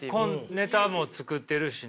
ネタも作ってるしね。